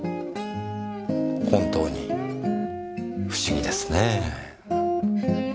本当に不思議ですねぇ。